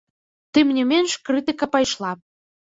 Тым не менш, крытыка пайшла.